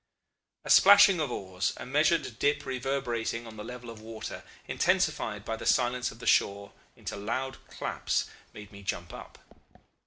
"A splashing of oars, a measured dip reverberating on the level of water, intensified by the silence of the shore into loud claps, made me jump up.